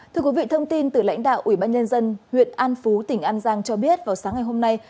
thưa quý vị thông tin từ lãnh đạo ủy ban nhân dân huyện an phú tỉnh an giang cho biết vào sáng ngày hôm nay